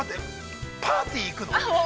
◆パーティー行くの？